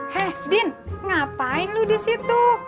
hei din ngapain lu disitu